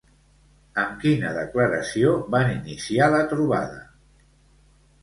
Amb quina declaració van iniciar la trobada?